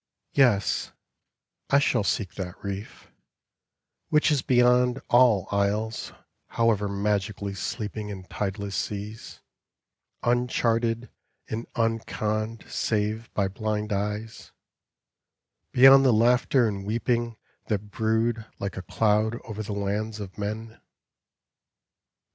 Yes, I shall seek that reef, which is beyond All isles however magically sleeping In tideless seas, uncharted and unconned Save by blind eyes : beyond the laughter and wet ping That brood like a cloud over the lands of men.